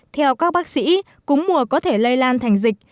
theo các bác sĩ cúm mùa có thể lây lan thành dịch